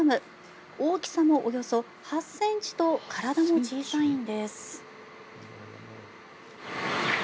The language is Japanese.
大きさもおよそ８ｃｍと体も小さいんです。